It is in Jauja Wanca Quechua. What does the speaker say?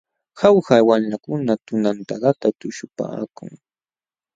Jauja wamlakuna tunantadatam tuśhupaakun.